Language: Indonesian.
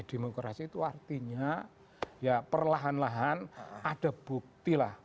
demokrasi itu artinya ya perlahan lahan ada bukti lah